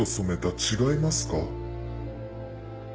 違いますか？